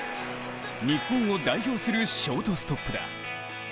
日本を代表するショートストップだ。